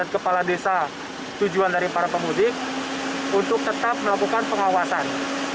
kepala desa tujuan dari para pemudik untuk tetap melakukan pengawasan